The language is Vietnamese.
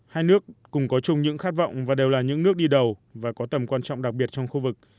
hai nước cùng có chung những khát vọng và đều là những nước đi đầu và có tầm quan trọng đặc biệt trong khu vực